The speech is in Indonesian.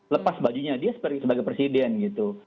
lepas bajunya dia sebagai presiden gitu